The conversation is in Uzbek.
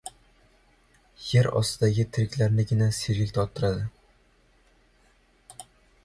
Yer ostidagi tiriklarnigina sergak torttiradi